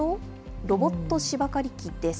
ロボット芝刈り機です。